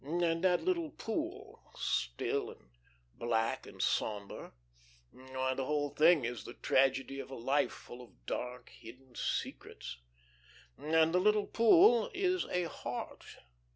And that little pool, still and black and sombre why, the whole thing is the tragedy of a life full of dark, hidden secrets. And the little pool is a heart.